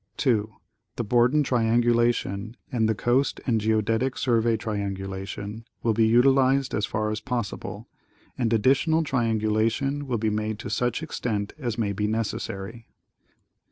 2. The Borden triangulation and the Coast and Geodetic Survey triangulation will be utilized as 'far as possible, and additional triangulation will be made to such extent as may be necessary.